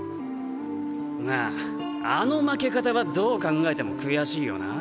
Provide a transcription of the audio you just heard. まあの負け方はどう考えても悔しいよな。